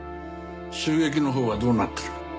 襲撃のほうはどうなってる？